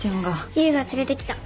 唯が連れてきた。